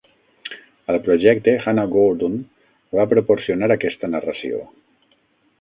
Al projecte, Hannah Gordon va proporcionar aquesta narració.